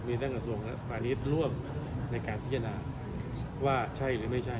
มีทั้งกระทรวงและปาริสร่วมในการพิจารณาว่าใช่หรือไม่ใช่